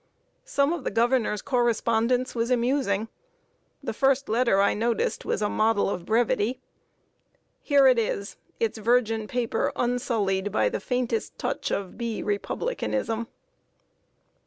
Some of the Governor's correspondence was amusing. The first letter I noticed was a model of brevity. Here it is its virgin paper unsullied by the faintest touch of "B. Republicanism."